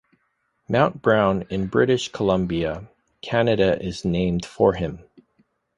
Mount Brown in British Columbia, Canada is named for him.